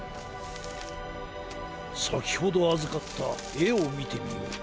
さきほどあずかったえをみてみよう。